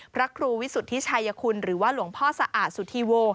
พระครูวิสุทธิชัยคุณหรือว่าหลวงพ่อสะอาดสุธีโว